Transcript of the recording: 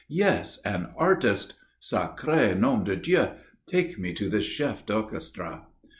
Yes, an artist. Sacré nom de Dieu! Take me to this chef d'orchestre."